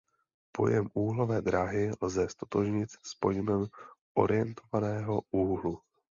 Pojem úhlové dráhy lze ztotožnit s pojmem orientovaného úhlu.